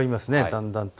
だんだんと。